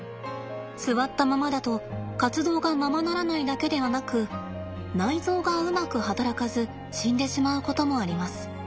座ったままだと活動がままならないだけではなく内臓がうまく働かず死んでしまうこともあります。